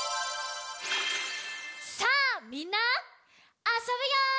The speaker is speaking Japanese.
さあみんなあそぶよ！